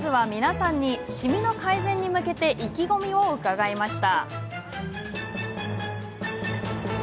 まずは皆さんにシミの改善に向けて意気込みを聞いてみました。